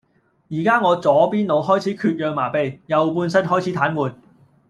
宜家我左邊腦開始缺氧麻痺，右半身開始癱瘓